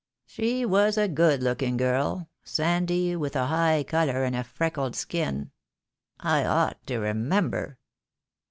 — she was a good looking girl, sandy, with a high colour and a freckled skin. I ought to remember."